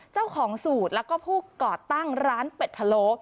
เจ้าของสูตรแล้วก็ผู้ก่อตั้งร้านเป็ดพะโล